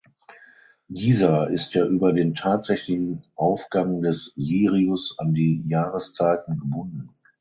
Dieser ist ja über den tatsächlichen Aufgang des Sirius an die Jahreszeiten gebunden.